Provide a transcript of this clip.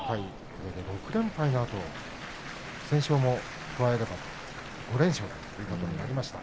これで６連敗のあと不戦勝も加えれば５連勝ということになりました。